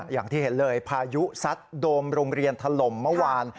อย่างที่เห็นเลยพายุซัดโดมโรงเรียนถล่มเมื่อวาน